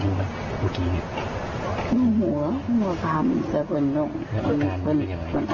หัวคำหัวคำจะเป็นของเนี่ย